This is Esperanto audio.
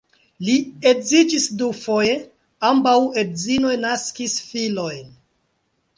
Li edziĝis dufoje, ambaŭ edzinoj naskis filojn.